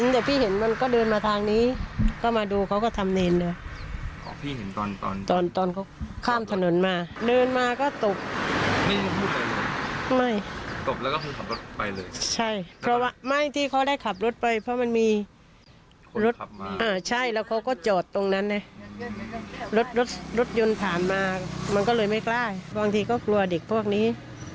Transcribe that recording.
ส่วนเมื่อกี้เกิดเวลานี้